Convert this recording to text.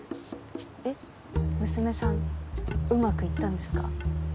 えっ娘さんうまくいったんですか？